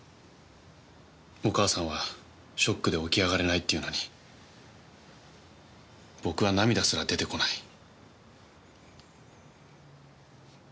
お母さんはショックで起き上がれないっていうのに僕は涙すら出てこない。